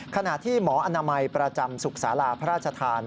ขณะที่หมออนามัยประจำสุขศาลาพระราชทาน